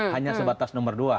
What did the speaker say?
hanya sebatas nomor dua